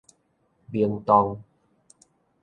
明洞